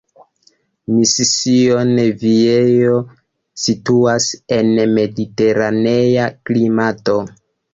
Mission Viejo situas en mediteranea klimato.